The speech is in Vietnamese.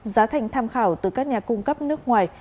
giá thành tham khảo từ các nhà cung cấp nước ngoài